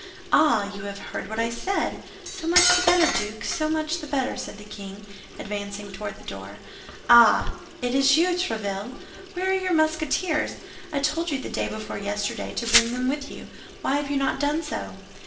"Ah! You have heard what I said? So much the better, Duke, so much the better," said the king, advancing toward the door. "Ah! It is you, Tréville. Where are your Musketeers? I told you the day before yesterday to bring them with you; why have you not done so?"